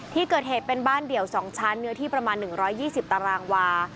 ที่เกิดเหตุเป็นบ้านเดี่ยวสองชั้นเนื้อที่ประมาณหนึ่งร้อยยี่สิบตารางวา